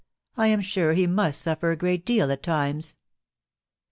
... I am sure he must suffer a great deal at times."